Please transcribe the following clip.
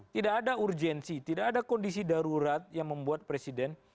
tidak ada urgensi tidak ada kondisi darurat yang membuat presiden